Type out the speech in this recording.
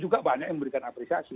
juga banyak yang memberikan apresiasi